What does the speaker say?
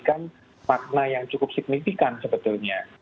jadi kan makna yang cukup signifikan sebetulnya